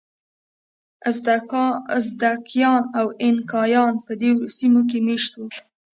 ازتکیان او اینکایان په دې سیمو کې مېشت وو.